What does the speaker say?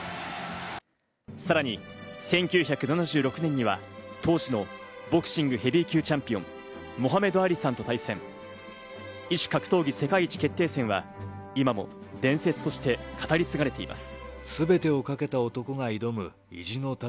さらに１９７６年には当時のボクシングヘビー級チャンピオン、モハメド・アリさんと対戦。異種格闘技世界一決定戦は今も伝説として語り継がれています。